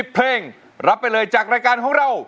เพลงรับไปเลยจากรายการของเรา